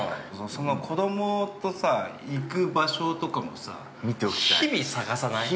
子供とさ、行く場所とかもさ、見ておきたい。